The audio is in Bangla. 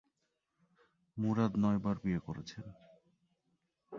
মুরাদ নয়বার বিয়ে করেছেন।